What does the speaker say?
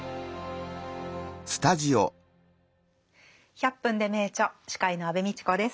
「１００分ｄｅ名著」司会の安部みちこです。